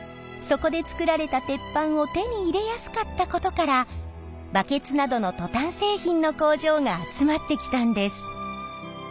そこで作られた鉄板を手に入れやすかったことからバケツなどのトタン製品の工場が集まってきたんです。